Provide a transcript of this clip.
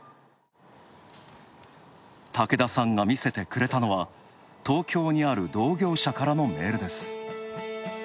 竹田さんが見せてくれたのは東京にある同業者からのメールです。